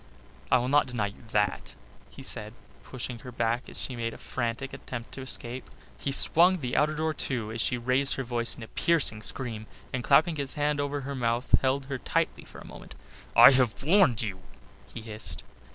"I will not deny you that," he said, pushing her back as she made a frantic attempt to escape. He swung the outer door to as she raised her voice in a piercing scream, and clapping his hand over her mouth held her tightly for a moment. "I have warned you," he hissed.